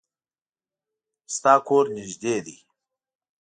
د تا کور نږدې ده